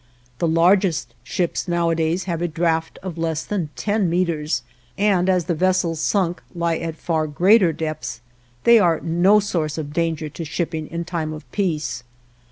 The largest ships nowadays have a draft of less than ten meters, and as the vessels sunk lie at far greater depths they are no source of danger to shipping in time of peace.